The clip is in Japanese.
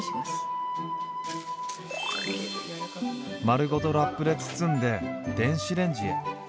丸ごとラップで包んで電子レンジへ。